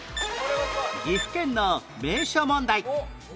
岐阜県の名所問題